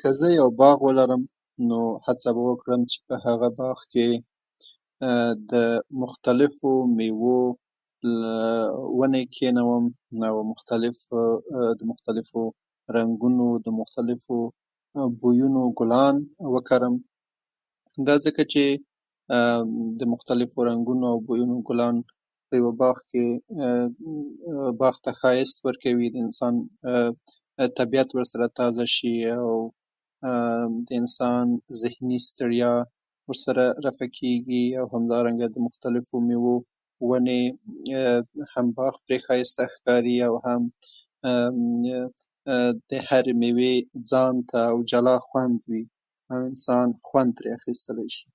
که زه یو باغ لرم، نو هڅه به وکړم چې په هغه باغ کې د مختلفو مېوو ونې کېنوم او د مختلفو رنګونو او مختلفو بویونو ګلان وکرم؛ دا ځکه چې د مختلفو بویونو لرونکي ګلان په یو باغ کې باغ ته ښایست ورکوي، د انسان طبعیت ورسره ښه کېږي او د انسان ذهني ستړیا ورسره رفع کېږي. دغه راز د مختلفو مېوو د ونو له امله به باغ هم ښایسته ښکاري او هم به د هرې مېوې ځانګړی او جلا خوند وي چې انسان ترې خوند اخیستلای شي.